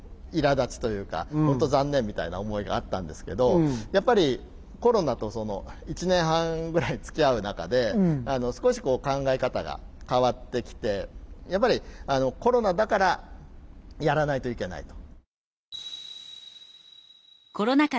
いらだちというか本当残念みたいな思いがあったんですけどやっぱりコロナとその１年半ぐらいつきあう中で少しこう考え方が変わってきてやっぱりコロナだからやらないといけないと。